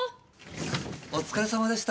お疲れ様でした！